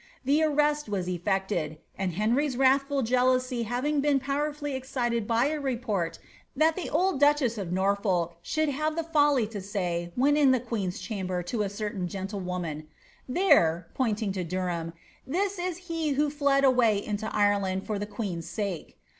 The arrest was effected ; and Henry's wrathful jealousy having been powerfully excited by a report that the old duchess of Norfolk should nave had the folly to say, when in the queen's chamber, to a certain gentlewoman, ^ There," pointing to Derham, ^ this is he who fled away into Ireland for the queen's sake